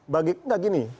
bagi kami tidak begini